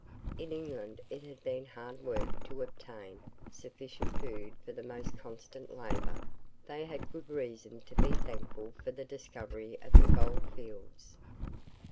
In England it had been hard work to obtain sufficient food by the most constant labour; they had good reason to be thankful for the discovery of the gold fields.